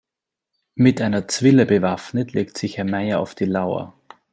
Mit einer Zwille bewaffnet legt sich Herr Meier auf die Lauer.